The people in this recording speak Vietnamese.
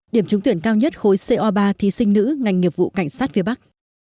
điểm trúng tuyển cao nhất khối co ba thí sinh nữ ngành nghiệp vụ cảnh sát phía bắc